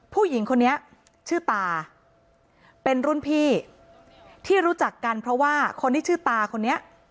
ผู้หญิงคนนี้ชื่อตาเป็นรุ่นพี่ที่รู้จักกันเพราะว่าคนที่ชื่อตาคนนี้